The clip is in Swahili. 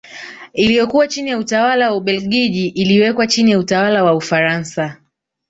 Iliyokuwa chini ya utawala wa Ubelgiji iliwekwa chini ya utawala wa Ufaransa